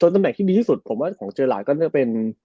ตำแหน่งที่ดีที่สุดผมว่าของเจอหลายก็น่าจะเป็น